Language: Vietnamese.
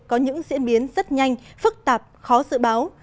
có những diễn biến rất nhanh phức tạp khó dự báo